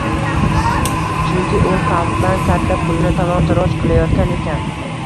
Chunki u xalqdan katta pulni talon-taroj qilayotgan ekan.